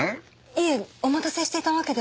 いえお待たせしていたわけでは。